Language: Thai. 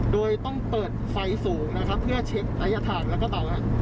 โดยต้องเปิดไฟสูงนะครับเพื่อเช็คระยะถังแล้วก็เบานะครับ